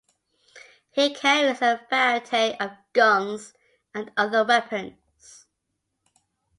He carries a variety of guns and other weapons.